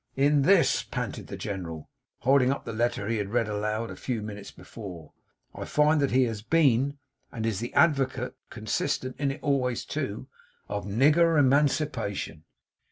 'In this,' panted the General, holding up the letter he had read aloud a few minutes before. 'I find that he has been, and is, the advocate consistent in it always too of Nigger emancipation!